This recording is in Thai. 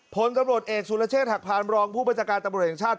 โพลตำรวจเอกสุรเชษฐกภารบรองผู้บริษัทการตำรวจเองชาติ